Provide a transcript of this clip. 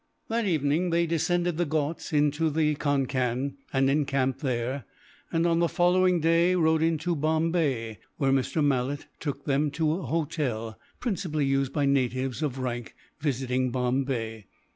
That evening they descended the Ghauts into the Concan and encamped there and, on the following day, rode into Bombay; where Mr. Malet took them to an hotel, principally used by natives of rank visiting Bombay.